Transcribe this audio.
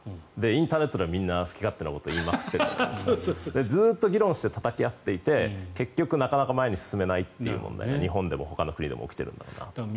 インターネットでもみんな好き勝手なことを言っているとずっと議論してたたき合っていて結局なかなか前に進めないという問題が日本でもほかの国でも起きていると思います。